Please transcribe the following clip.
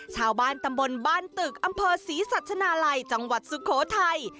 ชาวบ้านตำบลบ้านตึกอำเภอศรีสัชนาลัยจังหวัดสุโขทัย